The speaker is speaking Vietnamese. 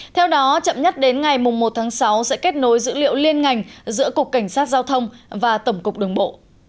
theo đó chậm nhất đến ngày một tháng sáu sẽ kết nối dữ liệu liên ngành giữa cục cảnh sát giao thông và tổng cục đường bộ